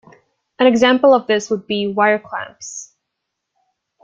An example of this would be wire clamps.